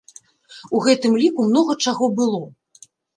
У гэтым ліку многа чаго было.